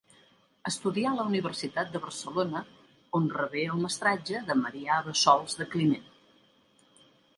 Estudià a la Universitat de Barcelona on rebé el mestratge de Marià Bassols de Climent.